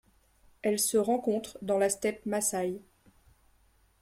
Elle se rencontre dans la steppe masaï.